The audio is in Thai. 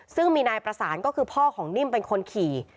ซึ่งมีนายประสานก็คือพ่อของนิ่มเป็นคนขี่